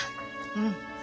うん。